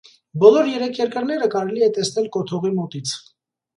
Բոլոր երեք երկրները կարելի է տեսնել կոթողի մոտից։